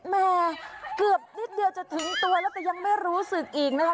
แม่เกือบนิดเดียวจะถึงตัวแล้วแต่ยังไม่รู้สึกอีกนะคะ